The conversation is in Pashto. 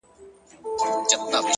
علم د انسان شعور بدلوي.!